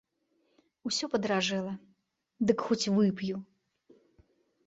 Усё падаражэла, дык хоць вып'ю.